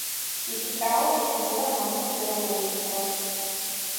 ИщыкӀагъэ зыщыхъурэм ахэр зэрэугъоищтыгъэх.